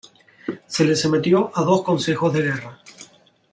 Se le sometió a dos consejos de guerra.